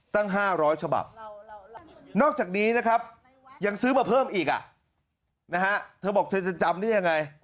ตั้ง๕๐๐ฉบับนอกจากนี้นะครับยังซื้อมาเพิ่มอีกอ่ะนะฮะเธอบอกเธอจะจำได้ยังไง